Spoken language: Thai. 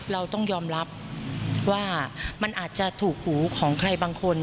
เราต้องยอมรับว่ามันอาจจะถูกหูของใครบางคน